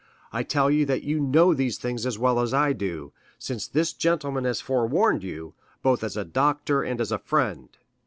I tell you that you know these things as well as I do, since this gentleman has forewarned you, both as a doctor and as a friend."